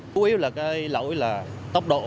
chủ yếu là cái lỗi là tốc độ